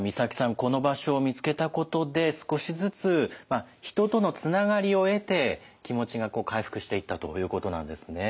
この場所を見つけたことで少しずつ人とのつながりを得て気持ちが回復していったということなんですね。